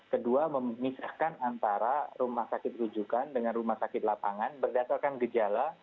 kedua memisahkan antara rumah sakit rujukan dengan rumah sakit lapangan berdasarkan gejala